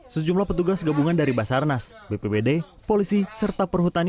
sejumlah petugas gabungan dari basarnas bpbd polisi serta perhutani